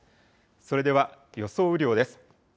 それでは予想雨量です。